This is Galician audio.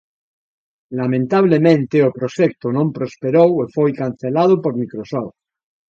Lamentablemente o proxecto non prosperou e foi cancelado por Microsoft.